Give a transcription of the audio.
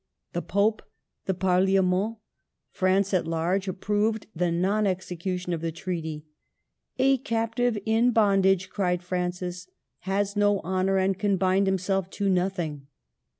The Pope, the Parliament, France at large, approved the non execution of the treaty. '* A captive in bondage," cried Francis, " has no honor, and can bind himself to nothing."